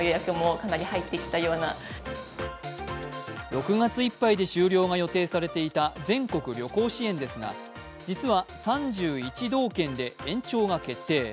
６月いっぱいで終了が予定されていた全国旅行支援ですが、実は、３１道県で延長が決定。